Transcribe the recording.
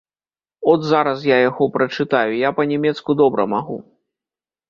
От зараз я яго прачытаю, я па-нямецку добра магу.